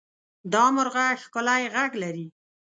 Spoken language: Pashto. دا مرغه ښکلی غږ لري.